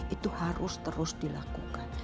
itu harus terus dilakukan